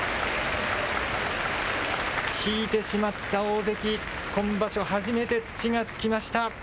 引いてしまった大関、今場所初めて土がつきました。